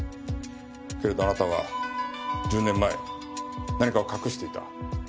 けれどあなたは１０年前何かを隠していた。